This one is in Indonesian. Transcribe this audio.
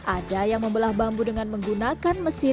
ada yang membelah bambu dengan menggunakan mesin